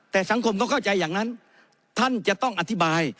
แต่สังคมต้องเข้าใจอย่างนั้นท่านจะต้องอธิบาย